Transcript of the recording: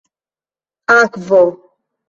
akvo